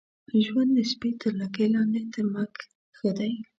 ژوند د سپي تر لکۍ لاندي ، تر مرګ ښه دی.